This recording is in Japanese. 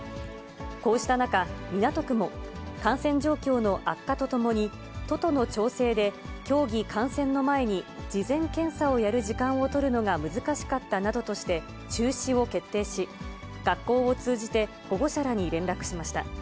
こうした中、港区も感染状況の悪化とともに、都との調整で、競技観戦の前に、事前検査をやる時間を取るのが難しかったなどとして、中止を決定し、学校を通じて保護者らに連絡しました。